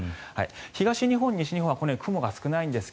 東日本、西日本はこのように雲が少ないんですが